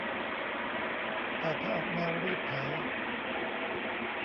แต่ถ้าออกแนวรีดไถ